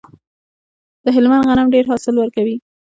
د هلمند غنم ډیر حاصل ورکوي.